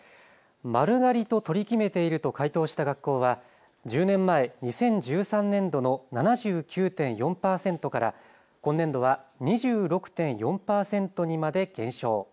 丸刈りと取り決めていると回答した学校は１０年前２０１３年度の７９．４％から今年度は２６．４％にまで減少。